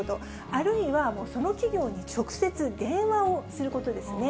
あるいは、その企業に直接電話をすることですね。